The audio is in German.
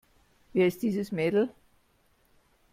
Wer ist dieses Mädel?